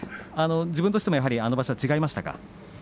自分としてもあの場所は違いましたか？